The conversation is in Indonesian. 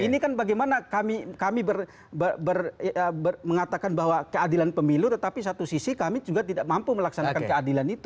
ini kan bagaimana kami mengatakan bahwa keadilan pemilu tetapi satu sisi kami juga tidak mampu melaksanakan keadilan itu